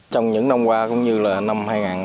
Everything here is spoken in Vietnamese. trong những năm qua cũng như là năm hai nghìn một mươi tám